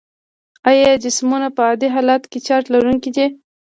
آیا جسمونه په عادي حالت کې چارج لرونکي دي؟